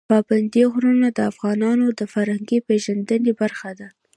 پابندی غرونه د افغانانو د فرهنګي پیژندنې برخه ده.